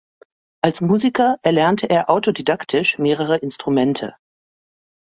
Als Musiker erlernte er autodidaktisch mehrere Instrumente.